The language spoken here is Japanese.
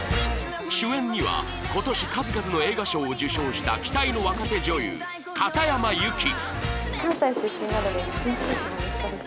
主演には今年数々の映画賞を受賞した期待の若手女優片山友希